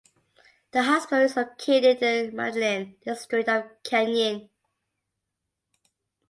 The hospital is located in the Madeleine district of Cayenne.